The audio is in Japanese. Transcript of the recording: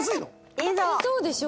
そうでしょ。